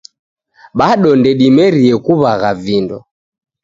Bado ndedimerie kuw'agha vindo